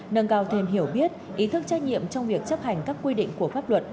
nâng cao thêm hiểu biết ý thức trách nhiệm trong việc chấp hành các quy định của pháp luật